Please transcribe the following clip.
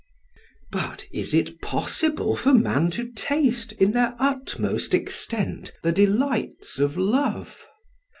But is it possible for man to taste, in their utmost extent, the delights of love?